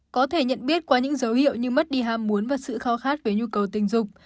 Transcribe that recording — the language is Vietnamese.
có thể nhận biết qua những dấu hiệu như mất đi ham muốn và sự kho khát về nhu cầu tình dục